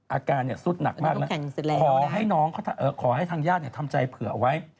อาการสุดหนักมากขอให้ทางญาติทำใจเผื่อไว้